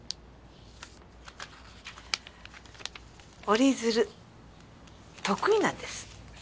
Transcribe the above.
折り鶴得意なんです。